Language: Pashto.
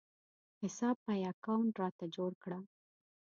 حساب پې اکاونټ راته جوړ کړه